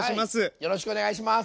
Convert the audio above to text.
よろしくお願いします！